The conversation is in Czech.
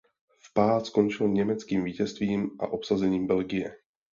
Vpád skončil německým vítězstvím a obsazením Belgie.